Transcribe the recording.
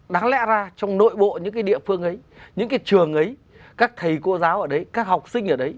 đáng lẽ ra trong nội bộ những cái địa phương ấy những cái trường ấy các thầy cô giáo ở đấy các học sinh ở đấy